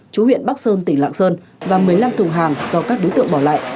chú huyện bắc sơn tỉnh lạng sơn và một mươi năm thùng hàng do các đối tượng bỏ lại